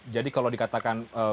jadi kalau dikatakan